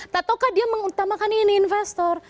taukah dia mengutamakan ini investor